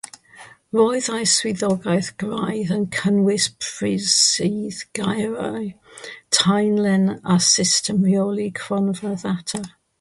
Roedd ei swyddogaeth graidd yn cynnwys prosesydd geiriau, taenlen a system rheoli cronfa ddata.